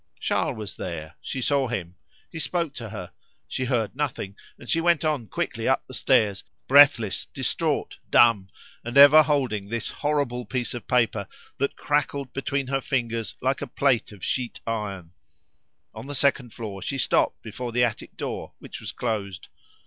Charles was there; she saw him; he spoke to her; she heard nothing, and she went on quickly up the stairs, breathless, distraught, dumb, and ever holding this horrible piece of paper, that crackled between her fingers like a plate of sheet iron. On the second floor she stopped before the attic door, which was closed.